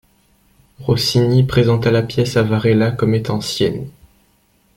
Rossini présenta la pièce à Varela comme étant sienne.